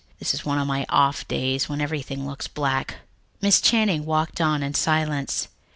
This is one of my off days, when everything looks black." Miss Channing walked on in silence.